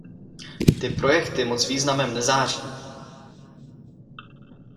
Ty projekty moc významem nezáří.